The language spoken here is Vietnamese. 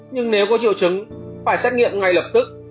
nhưng nếu có triệu chứng phải xét nghiệm ngay lập tức